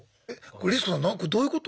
リス子さんどういうこと？